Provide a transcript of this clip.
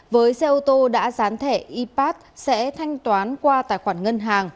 với xe ô tô đã dán thẻ ipat sẽ thanh toán qua tài khoản ngân hàng